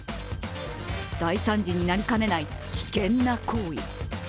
大惨事になりかねない危険な行為。